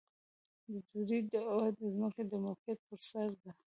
د دوی دعوه د ځمکې د ملکیت پر سر ده.